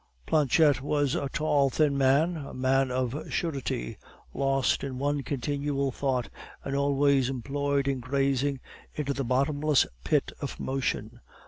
Planchette was a tall, thin man, a poet of a surety, lost in one continual thought, and always employed in gazing into the bottomless abyss of Motion.